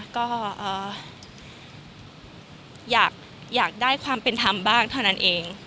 ก็อยากได้ความเป็นธรรมบ้างเท่านั้นเอง